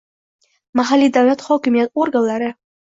mahalliy davlat hokimiyati organlari